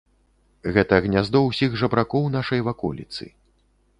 Гэта гняздо ўсіх жабракоў нашай ваколіцы.